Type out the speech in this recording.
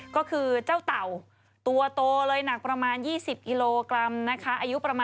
ก็คือเจ้าเต่าตัวโตเลยหนักประมาณ๒๐กิโลกรัมนะคะอายุประมาณ